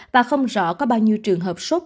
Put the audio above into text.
và không rõ có bao nhiêu trường hợp sốt